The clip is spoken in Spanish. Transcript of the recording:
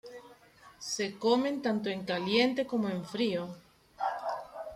Se comen tanto en caliente como en frío.